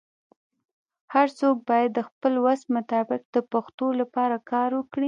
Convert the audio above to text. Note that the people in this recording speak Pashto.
هرڅوک باید د خپل وس مطابق د پښتو لپاره کار وکړي.